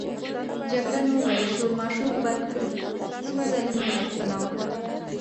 جګړن وویل: شورماشور بند کړئ، څو ځلې مې غوښتنه وکړه.